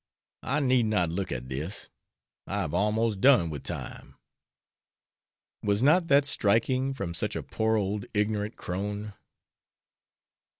I need not look at this, I have almost done with time!' Was not that striking from such a poor old ignorant crone?